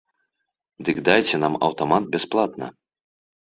Дык дайце нам аўтамат бясплатна.